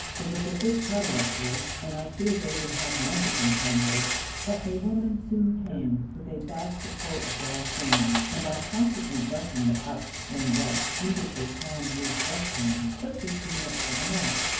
There was a big puddle, of course, and I feared they would have mud to contend with, but a woman soon came with a basketful of dry sand, and by constantly brushing it up when wet into a palm leaf dustpan quickly cleaned up all the mess.